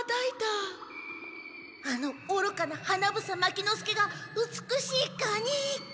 あのおろかな花房牧之介が美しいガに。